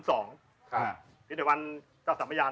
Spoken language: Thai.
ศิษฐภัณฑ์เจ้าสรรพยาน๑